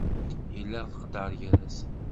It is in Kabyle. Yella leqder gar-asen.